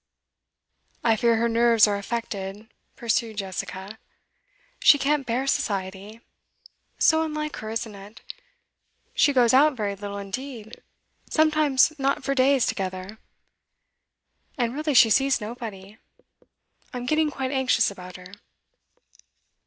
'I fear her nerves are affected,' pursued Jessica. 'She can't bear society. So unlike her, isn't it? She goes out very little indeed, sometimes not for days together. And really she sees nobody. I'm getting quite anxious about her.